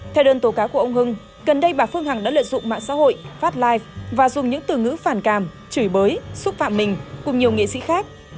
theo đơn tố cáo của ông hưng gần đây bà phương hằng đã lợi dụng mạng xã hội fat light và dùng những từ ngữ phản cảm chửi bới xúc phạm mình cùng nhiều nghệ sĩ khác